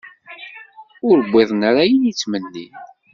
Ur wwiḍen ara ayen i ttmennin.